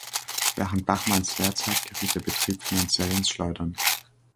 Während Bachmanns Lehrzeit geriet der Betrieb finanziell ins Schleudern.